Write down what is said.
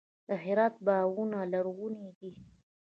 د هرات باغونه لرغوني دي.